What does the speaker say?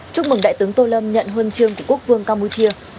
chúc mừng đại tướng tô lâm nhận huân chương của quốc vương campuchia